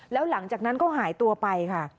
แล้วหลังจากนั้นก็หายตัวไปค่ะ